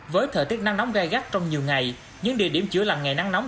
với thời tiết nắng nóng gai gắt trong nhiều ngày những địa điểm chữa làng ngày nắng nóng